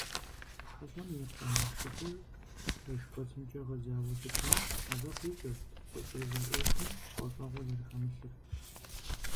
ХьэщӀэм и къамышыкӀыр пэш кӀуэцӀымкӀэ гъэзауэ щытмэ, абы къикӀырт къыщӏежьа Ӏуэхум пӀэщӀэгъуэ зэрыхэмылъыр.